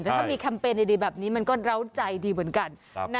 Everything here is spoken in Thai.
แต่ถ้ามีแคมเปญดีแบบนี้มันก็เล้าใจดีเหมือนกัน